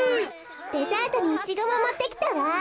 デザートにイチゴももってきたわ。